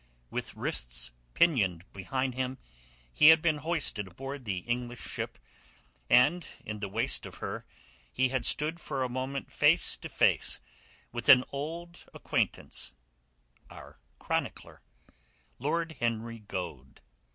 With wrists pinioned behind him, he had been hoisted aboard the English ship, and in the waist of her he had stood for a moment face to face with an old acquaintance—our chronicler, Lord Henry Goade.